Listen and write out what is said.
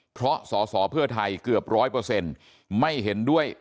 เพราะสอสรเพื่อไทยเกือบ๑๐๐ไม่เห็นด้วย